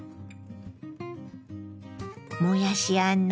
もやしあんの